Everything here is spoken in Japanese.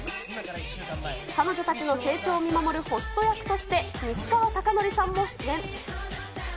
彼女たちの成長を見守るホスト役として西川貴教さんも出演。